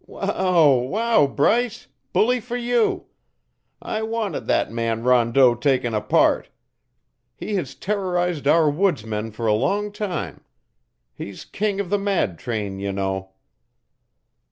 "Wow, wow, Bryce! Bully for you! I wanted that man Rondeau taken apart. He has terrorized our woods men for a long time. He's king of the mad train, you know."